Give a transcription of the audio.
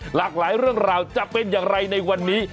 หลากหลายเรื่องราวจะเป็นอย่างไรในวันนี้